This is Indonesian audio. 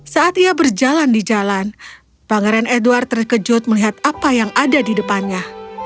saat ia berjalan di jalan pangeran edward terkejut melihat apa yang ada di depannya